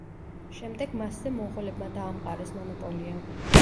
შემდეგ მასზე მონღოლებმა დაამყარეს მონოპოლია.